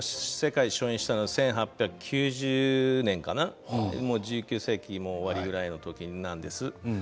初演は１８９０年かな１９世紀の終わりぐらいなんです。